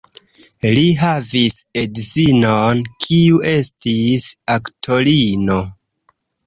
Li havis edzinon, kiu estis aktorino.